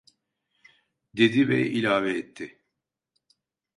Dedi ve ilave etti: